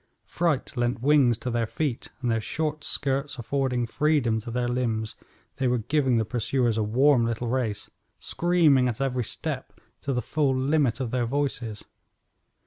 Fright lent wings to their feet, and their short skirts affording freedom to their limbs, they were giving the pursuers a warm little race, screaming at every step to the full limit of their voices.